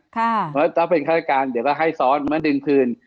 แล้วถ้าเป็นค่าราชการเดี๋ยวก็ให้ซ้อนมาดึงพื้น